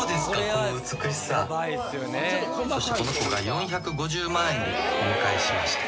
そしてこの子が４５０万円でお迎えしました。